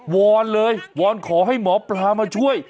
อนเลยวอนขอให้หมอปลามาช่วย